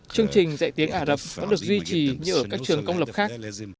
chương trình dạy tiếng ả rập vẫn được duy trì như ở các trường công lập khác